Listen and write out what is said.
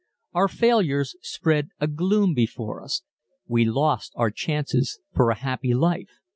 Our failures spread a gloom before us. _We lost our chances for a happy life!